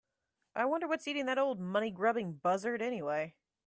I wonder what's eating that old money grubbing buzzard anyway?